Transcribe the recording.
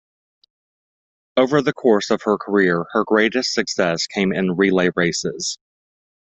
Over the course of her career her greatest success came in relay races.